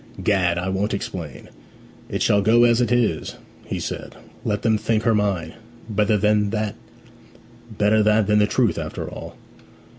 'Gad, I won't explain; it shall go as it is!' he said. 'Let them think her mine. Better that than the truth, after all.'